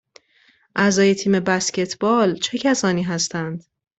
اعضای تیم بسکتبال چه کسانی هستند؟